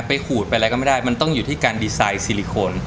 ขูดไปอะไรก็ไม่ได้มันต้องอยู่ที่การดีไซน์ซิลิโคน